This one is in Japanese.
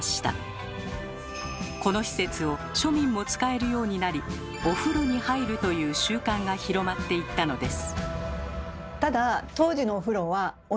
この施設を庶民も使えるようになり「お風呂に入る」という習慣が広まっていったのです。